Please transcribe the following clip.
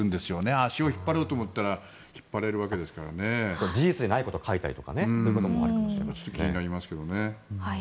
足を引っ張ろうと思ったら事実でないことを書いたりそういうこともあるかもしれませんね。